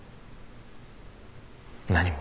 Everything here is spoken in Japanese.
何も。